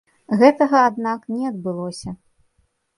Гэтага аднак не адбылося.